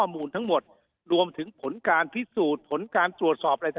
มูลทั้งหมดรวมถึงผลการพิศูทธผลการตรวจสอบอะไร